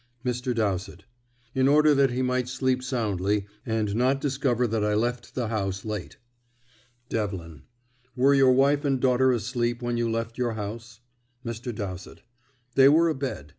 Mr. Dowsett: "In order that he might sleep soundly, and not discover that I left the house late." Devlin: "Were your wife and daughter asleep when you left your house?" Mr. Dowsett: "They were abed.